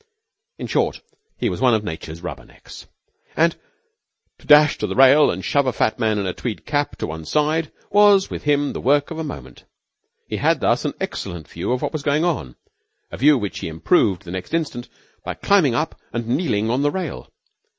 In short, he was one of Nature's rubbernecks, and to dash to the rail and shove a fat man in a tweed cap to one side was with him the work of a moment. He had thus an excellent view of what was going on a view which he improved the next instant by climbing up and kneeling on the rail.